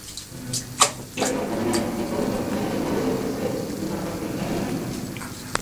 এরকমই একটি গল্পকে নিয়ে গড়ে উঠেছে নাটকের কাহিনী।